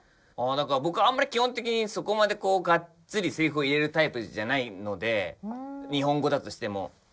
僕あんまり基本的にそこまでこうがっつりせりふを言えるタイプじゃないので日本語だとしても。